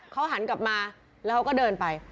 เขาหันกลับมาแล้วเขาก็เดินไป